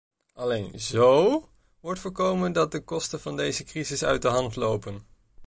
Alleen zó wordt voorkomen dat de kosten van deze crisis uit de hand lopen.